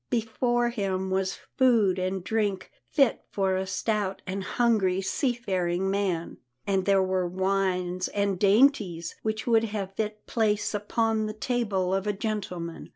Before him was food and drink fit for a stout and hungry sea faring man, and there were wines and dainties which would have had fit place upon the table of a gentleman.